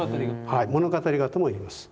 はい物語画ともいいます。